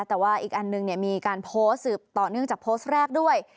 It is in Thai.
แต่ว่าอีกอันนึงมีการโพสต์สืบต่อเนื่องจากโพสต์แรกด้วย